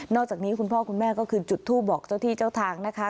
อกจากนี้คุณพ่อคุณแม่ก็คือจุดทูปบอกเจ้าที่เจ้าทางนะคะ